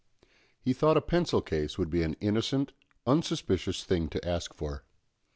He thought a pencil case would be an innocent, unsuspicious thing to ask for.